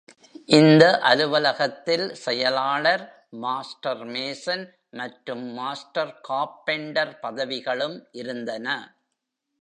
இந்த அலுவலகத்தில் செயலாளர், மாஸ்டர் மேசன் மற்றும் மாஸ்டர் கார்பெண்டர் பதவிகளும் இருந்தன.